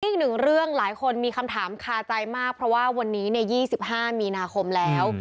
อีกหนึ่งเรื่องหลายคนมีคำถามคาใจมากเพราะว่าวันนี้๒๕มีนาคมแล้ว